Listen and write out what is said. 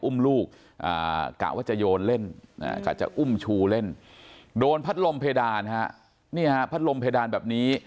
ลูกกะว่าจะโยนเล่นกะจะอุ้มชูเล่นโดนพัดลมเพดานฮะนี่ฮะพัดลมเพดานแบบนี้